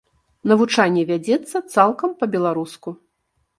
Навучанне вядзецца цалкам па-беларуску.